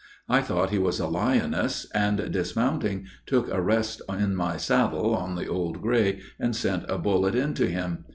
I thought he was a lioness, and, dismounting, took a rest in my saddle on the Old Gray, and sent a bullet into him.